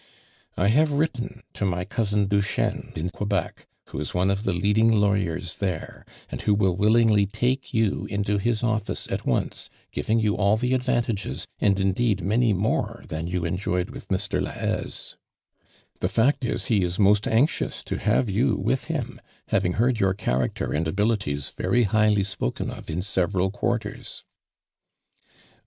I have wrif ten to my cousin Duchesne in Quebec, w' is one of the leading lawyers there, an(* will willingly take you into his office at giving you all the advantages, and ' many more than you enjoyed with £ (56 ARMAND DURAND. M I M I I haise. The fact is he is most anxious to ha\ e you with him, having heard your cha raci>rand abilities very highly spoken of in several quartei s."